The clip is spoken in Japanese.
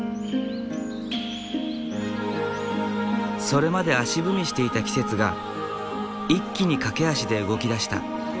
それまで足踏みしていた季節が一気にかけ足で動きだした。